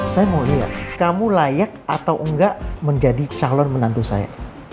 saya mau lihat kamu layak atau enggak menjadi calon menantu saya